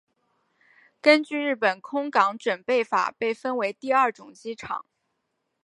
根据日本空港整备法被分成第二种机场。